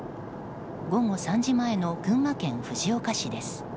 午後３時前の群馬県藤岡市です。